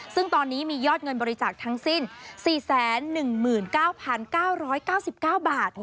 ซึ่งตอนนี้มียอดเงินบริจาคทั้งสิ้น๔๑๙๙๙๙บาท